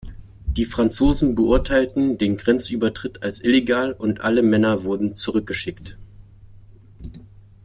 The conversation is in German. Die Franzosen beurteilten den Grenzübertritt als illegal und alle Männer wurden zurückgeschickt.